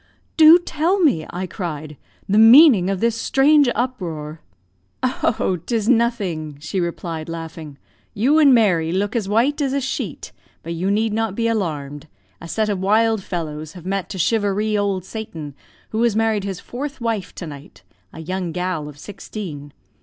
"Do tell me," I cried, "the meaning of this strange uproar?" "Oh, 'tis nothing," she replied, laughing; "you and Mary look as white as a sheet; but you need not be alarmed. A set of wild fellows have met to charivari Old Satan, who has married his fourth wife to night, a young gal of sixteen.